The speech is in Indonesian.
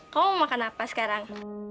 kamu makan apa sekarang